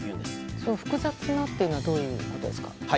その複雑なっていうのはどういうことですか？